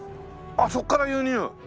あっそこから輸入？